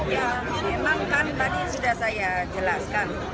ya memang kan tadi sudah saya jelaskan